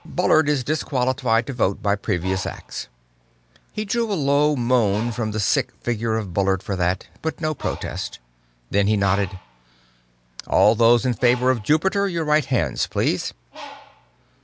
Bullard is disqualified to vote by previous acts." He drew a low moan from the sick figure of Bullard for that, but no protest. Then he nodded. "All those in favor of Jupiter, your right hands please!"